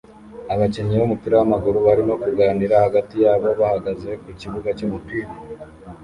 Abakinnyi b'umupira w'amaguru barimo kuganira hagati yabo bahagaze ku kibuga cy'umupira